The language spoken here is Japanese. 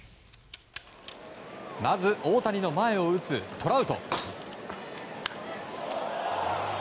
まず大谷の前を打つトラウト。